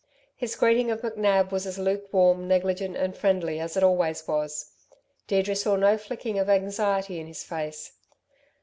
His greeting of McNab was as lukewarm, negligent and friendly as it always was. Deirdre saw no flicker of anxiety in his face.